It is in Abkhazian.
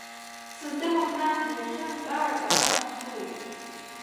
Сыздыруам, нан, иахьантәарак абас иҵәыуеит.